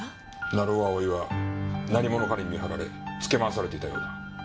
成尾蒼は何者かに見張られつけ回されていたようだ。